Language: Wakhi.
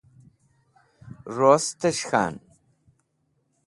Rostẽs̃h k̃han.